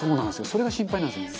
それが心配なんですよね」